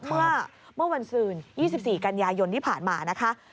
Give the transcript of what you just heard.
เมื่อวันศืน๒๔กันยายนที่ผ่านมานะคะ